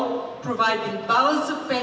memberikan balas pengembangan